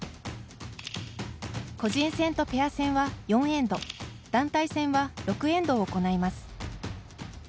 個人戦とペア戦は、４エンド団体戦は６エンド行います。